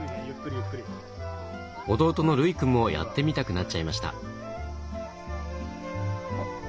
弟の琉くんもやってみたくなっちゃいました。